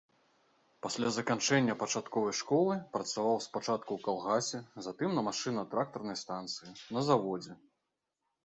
Пасля заканчэння пачатковай школы працаваў спачатку ў калгасе, затым на машынна-трактарнай станцыі, на заводзе.